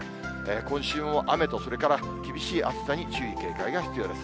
今週も雨とそれから厳しい暑さに注意、警戒が必要です。